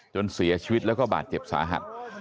จนเสียชีวิตแล้วก็บาดเจ็บสาหัส